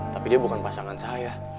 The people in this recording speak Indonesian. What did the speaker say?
tapi dia bukan pasangan saya